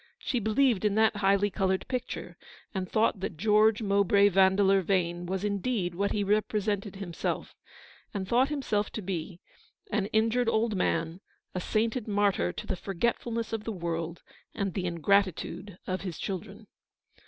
She believed in that highly coloured picture, and thought that George Mowbray Van deleur Vane was indeed what he represented himself, and thought himself to be ; an injured old man, a sainted martyr to the forgetfulness of the world, and the ingratitude of his children.